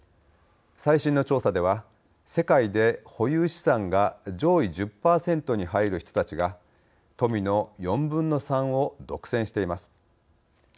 最新の調査では世界で保有資産が上位１０％に入る人たちが富の４分の３を独占しています。